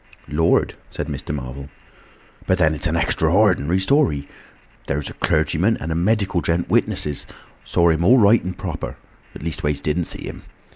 "Lord!" said Mr. Marvel. "But then, it's an extra ordinary story. There is a clergyman and a medical gent witnesses—saw 'im all right and proper—or leastways didn't see 'im.